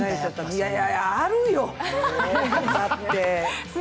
いやいや、あるよ、だって。